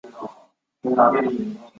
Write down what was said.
保陶基是共和党籍。